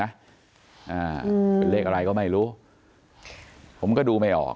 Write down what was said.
อ่าเป็นเลขอะไรก็ไม่รู้ผมก็ดูไม่ออก